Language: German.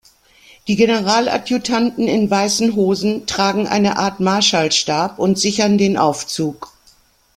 Die Generaladjutanten in weißen Hosen tragen eine Art Marschallstab und sichern den Aufzug.